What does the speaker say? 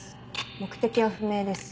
目的は不明です。